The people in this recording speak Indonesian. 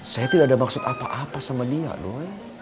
saya tidak ada maksud apa apa sama dia dong